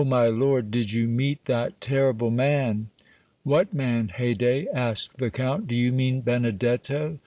my lord, did you meet that terrible man?" "What man, Haydée?" asked the Count. "Do you mean Benedetto?"